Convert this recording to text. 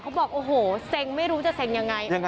บอกโอ้โหเซ็งไม่รู้จะเซ็งยังไง